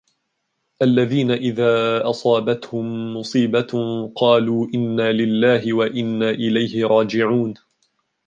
الذين إذا أصابتهم مصيبة قالوا إنا لله وإنا إليه راجعون